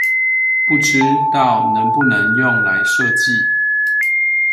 不知道能不能用來設計？